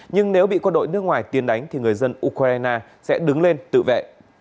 nhưng nếu bị quân đội nước ngoài tiên đánh thì người dân ukraine sẽ đứng lên tự vệ